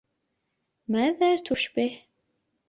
ماذا تشبه؟